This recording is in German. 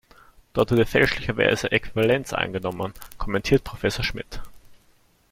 Dort wurde fälschlicherweise Äquivalenz angenommen, kommentiert Professor Schmidt.